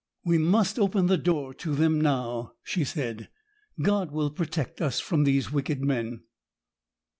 'We must open the door to them now,' she said; 'God will protect us from these wicked men.